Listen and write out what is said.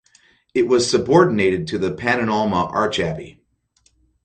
It was subordinated to the Pannonhalma Archabbey.